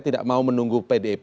tidak mau menunggu pdip